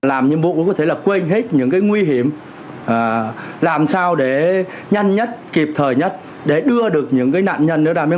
ông nguyễn văn nguyễn giám đốc nguyễn văn nguyễn giám đốc nguyễn văn nguyễn giám đốc nguyễn văn nguyễn